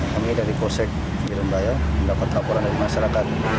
kami dari kosek birembayan mendapat laporan dari masyarakat